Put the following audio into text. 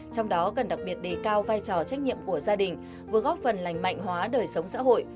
trong đó cần đặc biệt đề cao vai trò trách nhiệm của gia đình vừa góp phần lành mạnh hóa đời sống xã hội